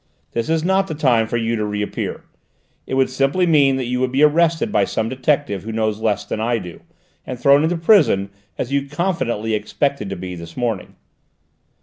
This is not the time for you to reappear: it would simply mean that you would be arrested by some detective who knows less than I do, and thrown into prison as you confidently expected to be this morning."